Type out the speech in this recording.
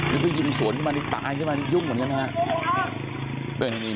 นี่สวนขึ้นมานี่ตายขึ้นมานี่ยุ่งเหมือนกันนะฮะ